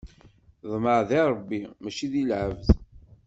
Ḍmeɛ di Ṛebbi, mačči di lɛebd!